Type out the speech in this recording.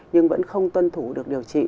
nhưng vẫn không tuân thủ được điều trị